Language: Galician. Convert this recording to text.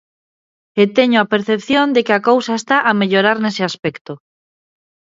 E teño a percepción de que a cousa está a mellorar nese aspecto.